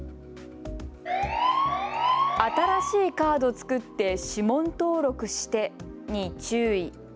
新しいカード作って指紋登録してに注意。